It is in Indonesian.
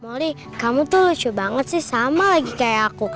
bang ali kamu tuh lucu banget sih sama lagi kayak aku